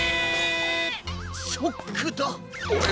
ショックだオレ